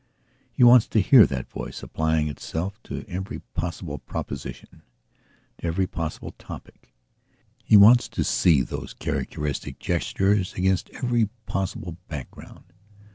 He wants to hear that voice applying itself to every possible proposition, to every possible topic; he wants to see those characteristic gestures against every possible background.